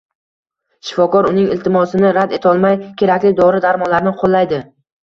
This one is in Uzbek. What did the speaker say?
Shifokor uning iltimosini rad etolmay, kerakli dori-dorimonlarni qo‘llaydi